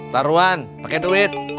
taruhan pake duit